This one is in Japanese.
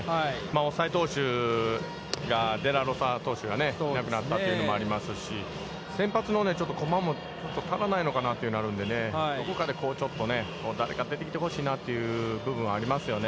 抑え投手が、デラロサ投手がいなくなったというのもありますし、先発の駒も、ちょっと足りないのかなとなるんで、どこかでちょっと誰か出てきてほしいなという部分はありますよね。